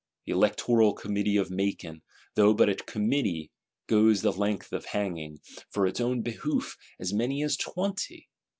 The Electoral Committee of Macon, though but a Committee, goes the length of hanging, for its own behoof, as many as twenty.